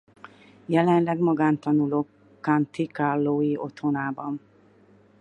Jelenleg magántanuló County Carlow-i otthonában.